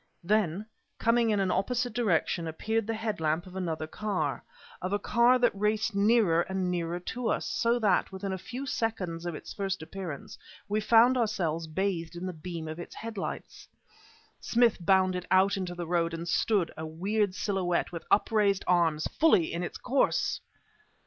Then, coming in an opposite direction, appeared the headlamp of another car, of a car that raced nearer and nearer to us, so that, within a few seconds of its first appearance, we found ourselves bathed in the beam of its headlights. Smith bounded out into the road, and stood, a weird silhouette, with upraised arms, fully in its course!